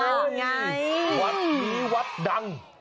วัดนี้วัดดัง